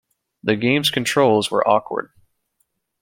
The game's controls were awkward.